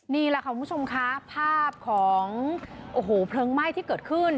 นี่แหละค่ะคุณผู้ชมค่ะภาพของโอ้โหเพลิงไหม้ที่เกิดขึ้น